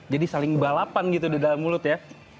jadi saling balapan gitu di dalam mulut ya